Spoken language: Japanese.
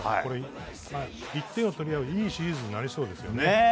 １点を取り合ういいシリーズになりそうですね。